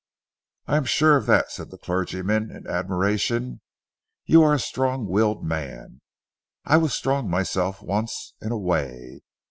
"I am sure of that," said the clergyman in admiration, "you are a strong willed man. I was strong myself once in a way.